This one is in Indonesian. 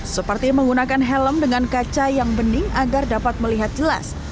seperti menggunakan helm dengan kaca yang bening agar dapat melihat jelas